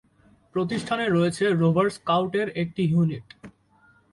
প্রতিষ্ঠানে রয়েছে rover scout এর একটি ইউনিট।